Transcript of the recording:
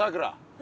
え？